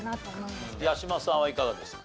八嶋さんはいかがですか？